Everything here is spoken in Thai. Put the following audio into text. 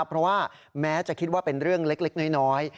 เพราะว่าแม้จะคิดว่าเป็นเรื่องเล็กน้อย